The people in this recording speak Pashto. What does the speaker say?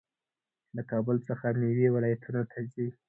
له کابل څخه میوې ولایتونو ته ځي.